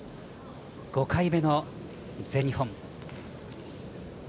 ５回目の全日本。